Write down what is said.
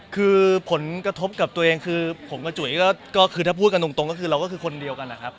คือผลกระทบกับตัวเองคือผมกับจุ๋ยก็คือถ้าพูดกันตรงก็คือเราก็คือคนเดียวกันนะครับ